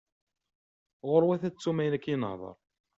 Ɣur-wat ad tettum ayen akken i nehder.